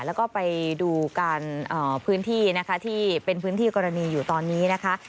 แล้วก็ไปดูการพื้นที่นะคะที่เป็นพื้นที่กรณีอยู่ตอนนี้นะคะ